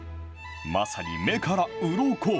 まさに目からうろこ。